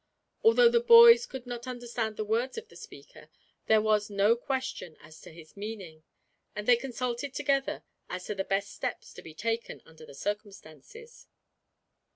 Although the boys could not understand the words of the speaker, there was no question as to his meaning, and they consulted together as to the best steps to be taken, under the circumstances.